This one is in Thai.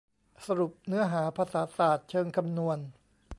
สรุปเนื้อหา ภาษาศาสตร์เชิงคำนวณ